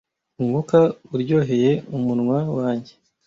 Umwuka uryoheye umunwa wanjye.